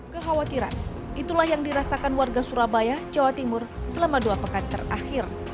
kekhawatiran itulah yang dirasakan warga surabaya jawa timur selama dua pekan terakhir